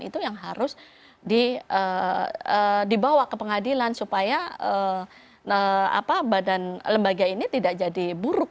itu yang harus dibawa ke pengadilan supaya badan lembaga ini tidak jadi buruk